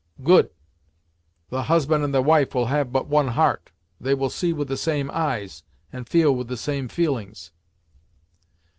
"Good! The husband and the wife will have but one heart; they will see with the same eyes, and feel with the same feelings."